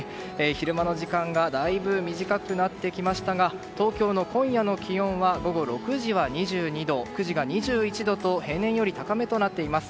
昼間の時間がだいぶ短くなってきましたが東京の今夜の気温は午後６時は２２度９時が２１度と平年より高めとなっています。